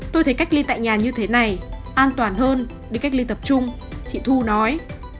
tôi thấy cách ly tại nhà như thế này an toàn hơn đi cách ly tập trung chị thu nói